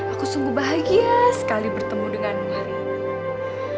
aku sungguh bahagia sekali bertemu denganmu hari ini